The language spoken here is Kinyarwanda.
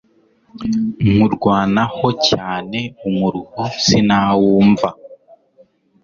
nkurwanaho cyane umuruho sinawumva